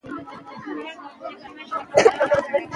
پېیر کوري د څېړنې پایله تایید کړه.